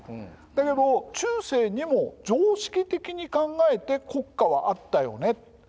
だけど中世にも常識的に考えて国家はあったよね。